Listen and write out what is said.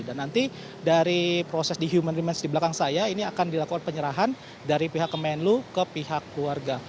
dan nanti dari proses di human remains di belakang saya ini akan dilakukan penyerahan dari pihak kemenlu ke pihak keluarga